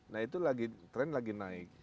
nah itu lagi tren lagi naik